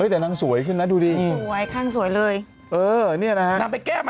แต่นางสวยขึ้นนะดูดิเออนี่แหละ